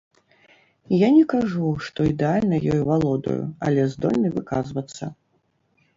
Я не кажу, што ідэальна ёй валодаю, але здольны выказвацца.